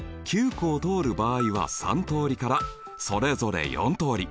湖を通る場合は３通りからそれぞれ４通り。